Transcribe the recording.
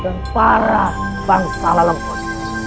dan para bangsa lalembut